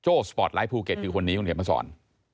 สปอร์ตไลท์ภูเก็ตคือคนนี้คุณเขียนมาสอน